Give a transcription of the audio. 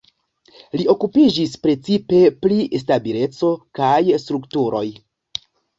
Li okupiĝis precipe pri stabileco kaj strukturoj.